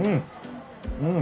うん！